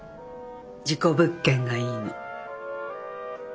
事故物件がいいの。